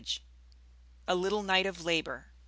A LITTLE KNIGHT OF LABOR.